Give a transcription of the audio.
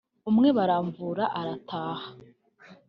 umwe baramuvura arataha